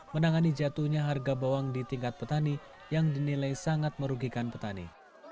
menangani jatuhnya harga bawang di tingkat petani yang dinilai sangat merugikan petani